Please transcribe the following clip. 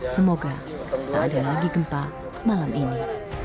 semoga tak ada lagi gempa malam ini